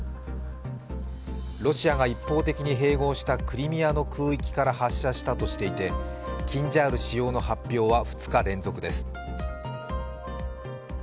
ロシアが一方的に併合したクリミアの空域から発射したとしていてキンジャール使用の発表は２日連続です。